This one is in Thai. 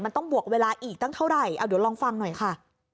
มันต้องบวกเวลาอีกตั้งเท่าไหร่เอาเดี๋ยวลองฟังหน่อยค่ะ